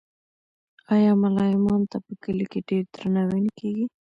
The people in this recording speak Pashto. آیا ملا امام ته په کلي کې ډیر درناوی نه کیږي؟